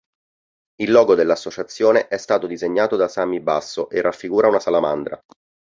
Il logo dell'associazione è stato disegnato da Sammy Basso e raffigura una salamandra.